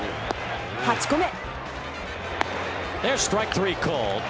８個目。